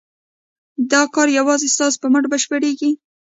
دا کار یوازې ستاسو په مټ بشپړېږي.